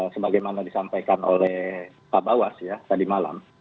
sebagaimana disampaikan oleh pak bawas ya tadi malam